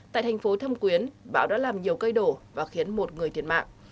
tại thành phố thâm quyến bão đã làm nhiều cây đổ và khiến một người thiệt mạng